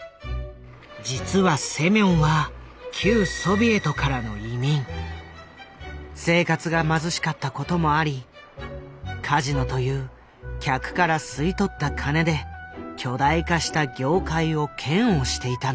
実はセミョンは生活が貧しかったこともありカジノという客から吸い取った金で巨大化した業界を嫌悪していたのだ。